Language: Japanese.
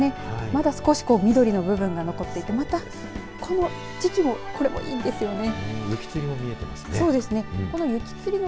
まだ少し緑の部分が残っていてまた、この時期もいいんですよね。